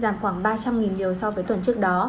giảm khoảng ba trăm linh liều so với tuần trước đó